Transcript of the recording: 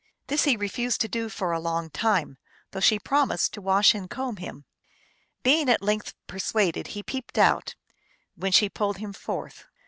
This he refused to do for a long time, though she promised to wash and comb him. Being at length persuaded, he peeped out, when she pulled him forth.